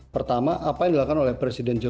pertama apa yang dilakukan oleh presiden jokowi